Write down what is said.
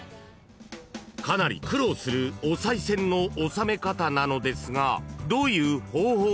［かなり苦労するおさい銭の納め方なのですがどういう方法でしょう？］